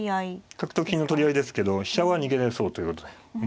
角と金の取り合いですけど飛車は逃げられそうということで。